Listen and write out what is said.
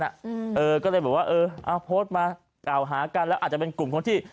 เออก็เลยบอกว่าเออเอาโพสต์มากล่าวหากันแล้วอาจจะเป็นกลุ่มคนที่